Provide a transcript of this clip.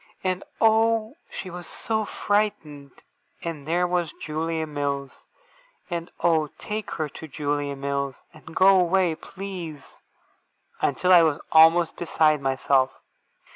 And oh, she was so frightened! And where was Julia Mills! And oh, take her to Julia Mills, and go away, please! until I was almost beside myself.